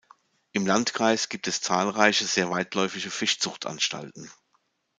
Im Landkreis gibt es zahlreiche, sehr weitläufige Fischzucht-Anstalten.